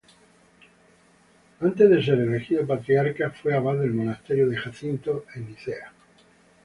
Antes de ser elegido Patriarca, fue abad del monasterio de Jacinto en Nicea.